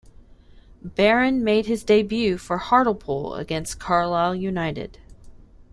Barron made his debut for Hartlepool against Carlisle United.